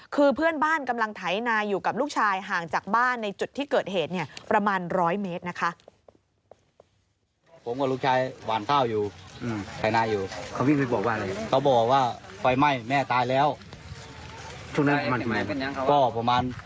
คือเพื่อนบ้านกำลังไถนาอยู่กับลูกชายห่างจากบ้านในจุดที่เกิดเหตุเนี่ยประมาณ๑๐๐เมตรนะคะ